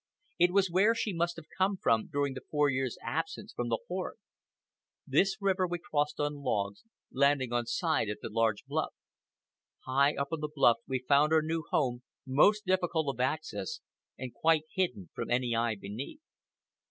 It was where she must have come during the four years' absence from the horde. This river we crossed on logs, landing on the other side at the base of a large bluff. High up on the bluff we found our new home most difficult of access and quite hidden from any eye beneath.